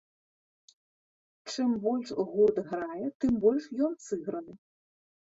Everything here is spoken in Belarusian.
Чым больш гурт грае, тым больш ён сыграны.